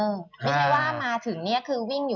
ไม่ได้ว่ามาถึงเนี่ย